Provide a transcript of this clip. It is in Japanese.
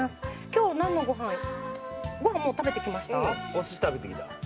お寿司食べてきた。